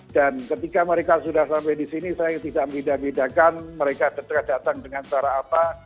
dan ketika mereka sudah sampai di sini saya tidak merindah merindahkan mereka datang dengan cara apa